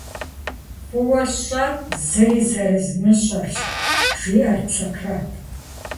«ФӀыуэ сщӀэр – зыри зэрызмыщӀэрщ!» - жиӀэрт Сократ.